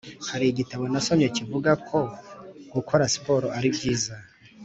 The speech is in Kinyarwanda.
Hari igitabo nasomye kivuga ko gukora sport ari byiza